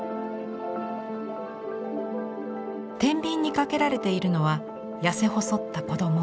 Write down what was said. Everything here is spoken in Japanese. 天秤にかけられているのは痩せ細った子ども。